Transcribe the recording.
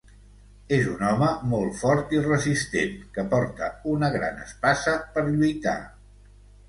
És un home molt fort i resistent, que porta una gran espasa per lluitar.